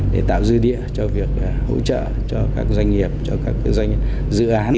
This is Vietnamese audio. để tạo dư địa cho việc hỗ trợ cho các doanh nghiệp cho các dự án